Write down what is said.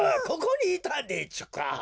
ここにいたんでちゅか？